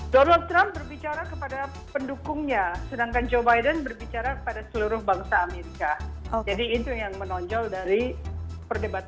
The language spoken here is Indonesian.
donald trump berbicara kepada pendukungnya sedangkan joe biden berbicara kepada seluruh bahasa